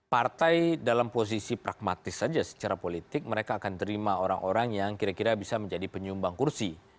partai dalam posisi pragmatis saja secara politik mereka akan terima orang orang yang kira kira bisa menjadi penyumbang kursi